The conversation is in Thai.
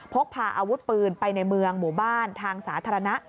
พกพาอาวุธปืนไปในเมืองหมู่บ้านทางสาธารณะ